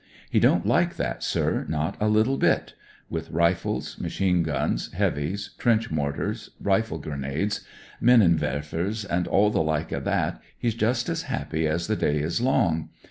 He don't like that, sir; not a little bit. With rifles, machine guns, heavies, trench mortars, rifle grenades, minnenwerfers, and all the Hke o' that, he's just as happy as the day is long.